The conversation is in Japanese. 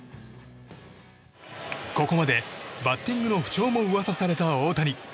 ここまでバッティングの不調も噂された大谷翔平。